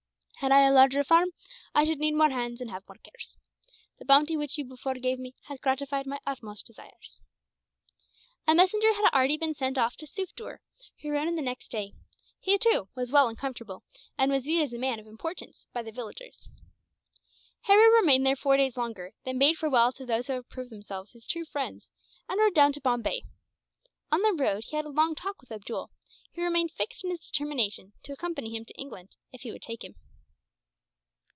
Had I a larger farm, I should need more hands and have more cares. The bounty which you before gave me has gratified my utmost desires." A messenger had already been sent off to Sufder, who rode in the next day. He, too, was well and comfortable, and was viewed as a man of importance by the villagers. Harry remained there four days longer, then bade farewell to those who had proved themselves his true friends, and rode down to Bombay. On the road he had a long talk with Abdool, who remained fixed in his determination to accompany him to England, if he would take him.